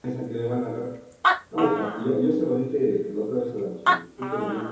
Kushner últimamente se ha introducido en el mundo del cine.